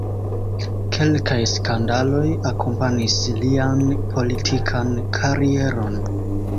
Kelkaj skandaloj akompanis lian politikan karieron.